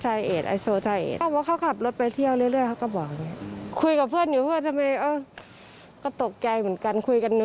ใช่ค่ะแล้วอาจสามารถเขาบอกว่ามาจากอาจสามารถ